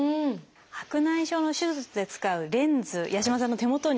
白内障の手術で使うレンズ八嶋さんの手元にご用意しました。